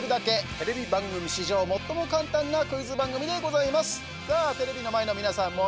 テレビ番組史上、最も簡単なクイズ番組でございます。